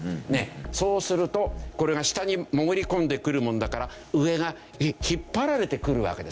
そうするとこれが下に潜り込んでくるもんだから上が引っ張られてくるわけですね。